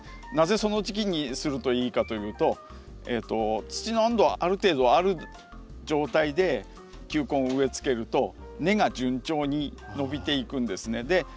なぜその時期にするといいかというと土の温度ある程度ある状態で球根を植えつけると根が順調に伸びていくんですね。